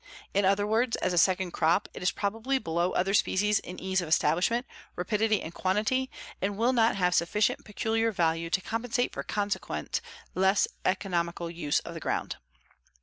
In other words, as a second crop it is probably below other species in ease of establishment, rapidity and quantity, and will not have sufficient peculiar value to compensate for consequent less economical use of the ground.